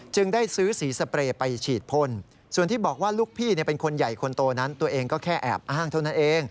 ได้ซื้อสีสเปรย์ไปฉีดพ่นส่วนที่บอกว่าลูกพี่เป็นคนใหญ่คนโตนั้นตัวเองก็แค่แอบอ้างเท่านั้นเอง